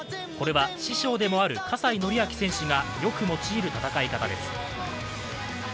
これは師匠でもある葛西紀明選手がよく用いる戦い方です。